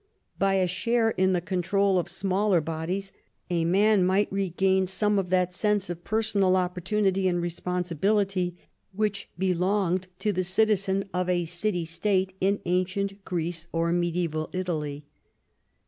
By a share in the control of smaller bodies, a man might regain some of that sense of personal opportunity and responsibility which belonged to the citizen of a city state in ancient Greece or medieval Italy.